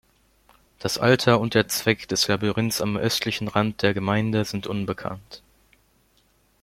Das Alter und der Zweck des Labyrinths am östlichen Rand der Gemeinde sind unbekannt.